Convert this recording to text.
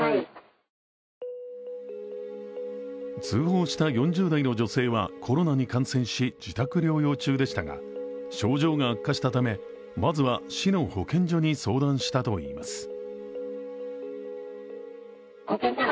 通報した４０代の女性はコロナに感染し、自宅療養中でしたが、症状が悪化したためまずは市の保健所に相談したといいます。